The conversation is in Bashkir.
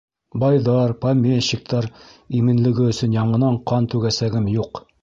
Байҙар, помещиктар именлеге өсөн яңынан ҡан түгәсәгем юҡ.